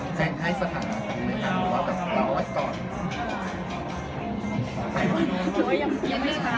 คิดว่ายังไม่ชัดหรือว่าอะไรอย่างนี้